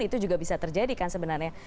itu juga bisa terjadi kan sebenarnya